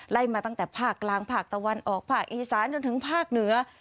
ไล่มาตั้งแต่ภาคกลางภาคตะวันออกภาคอีสานจนถึงภาคเหนือ